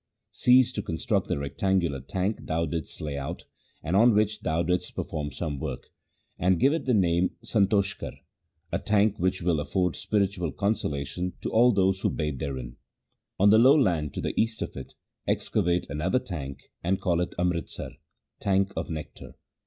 Cease to construct the rectangular tank thou didst lay out, and on which thou didst perform some work, and give it the name Santokhsar — a tank which will afford spiritual consolation to all who bathe therein. On the low land to the east of it excavate another tank and call it Amritsar — tank of nectar.